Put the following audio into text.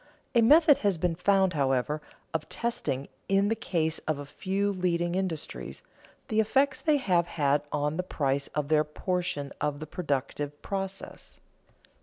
A method has been found, however, of testing, in the case of a few leading industries, the effects they have had on the price of their portion of the productive process.